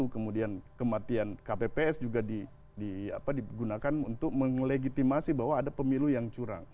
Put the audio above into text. kemudian kematian kpps juga digunakan untuk melegitimasi bahwa ada pemilu yang curang